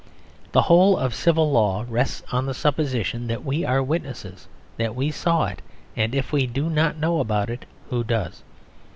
The whole of civil law rests on the supposition that we are witnesses; that we saw it; and if we do not know about it, who does?